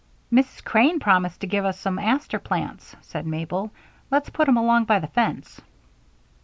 "Mrs. Crane promised to give us some aster plants," said Mabel. "Let's put 'em along by the fence."